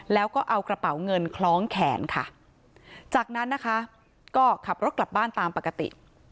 แล้วก็เอากระเป๋าเงินคล้องแขนค่ะจากนั้นนะคะก็ขับรถกลับบ้านตามปกติ